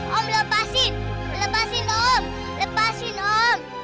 om lepasin lepasin om